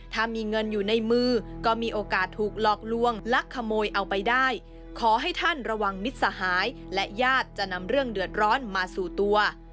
ถ้ามีเงินอยู่ในมือก็มีโอกาสถูกหลอกลวงลักขโมยเอาไปได้ขอให้ท่านระวังมิตรสหายและญาติจะนำเรื่องเดือดร้อนมาสู่ตัว